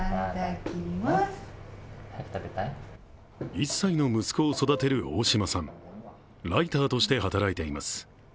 １歳の息子を育てるおおしまさんライターとして働いています。